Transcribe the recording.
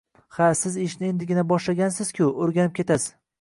Ha siz ishni endigina boshlagansiz-ku, o`rganib ketasiz